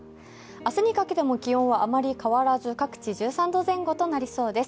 明日にかけても気温はあまり変わらず、各地１３度前後となりそうです。